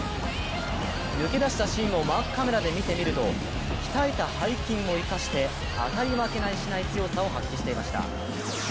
抜け出したシーンをマークカメラで見てみると鍛えた配筋を生かして当たり負けしない強さを発揮していました。